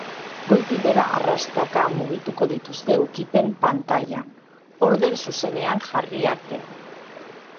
Goitik behera arrastaka mugituko dituzte ukipen-pantailan, orden zuzenean jarri arte.